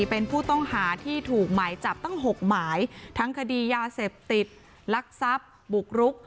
เป็นผู้ต้องหาที่ถูกหมายจับตั้ง๖หมายทั้งคดียาเสพติดลักทรัพย์บุกรุก